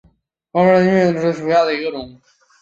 高山通泉草为玄参科通泉草属下的一个种。